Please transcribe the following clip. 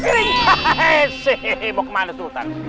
hehehe mau kemana sultan